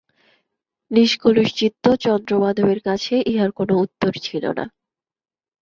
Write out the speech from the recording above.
নিষ্কলুষচিত্ত চন্দ্রমাধবের কাছে ইহার কোনো উত্তর ছিল না।